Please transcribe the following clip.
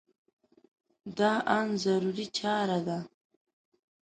دا ان ضروري چاره ده.